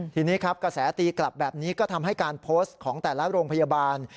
ทีนี้ครับกระแสตีกลับแบบนี้ก็ทำให้การโพสต์ของแต่ละโรงพยาบาล